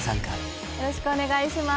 よろしくお願いします